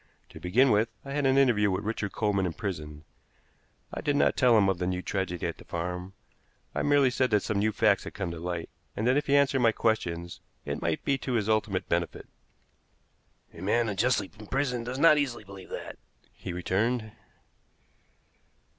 To begin with, I had an interview with Richard Coleman in prison. I did not tell him of the new tragedy at the farm; I merely said that some new facts had come to light, and that if he answered my questions it might be to his ultimate benefit. "A man unjustly imprisoned does not easily believe that," he returned.